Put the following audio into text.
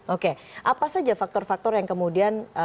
oke apa saja faktor faktor yang kemudian